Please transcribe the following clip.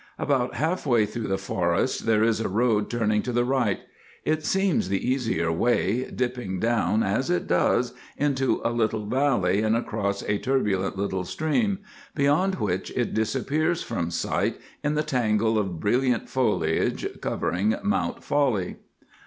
About half way through the forest there is a road turning to the right; it seems the easier way, dipping down, as it does, into a little valley and across a turbulent little stream, beyond which it disappears from sight in the tangle of brilliant foliage covering Mount Folly.